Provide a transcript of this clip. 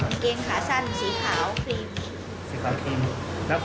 เมืองขาสั้นสีขาวครีม